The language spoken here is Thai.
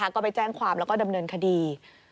ก็ไปแจ้งความแล้วก็ดำเนินคดี